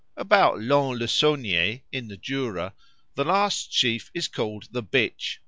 About Lons le Saulnier, in the Jura, the last sheaf is called the Bitch.